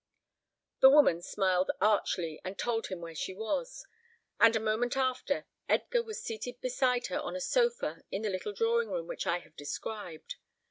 The woman smiled archly, and told him where she was; and a moment after, Edgar was seated beside her on a sofa in the little drawing room which I have described.